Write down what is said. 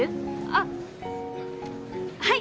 あっはい。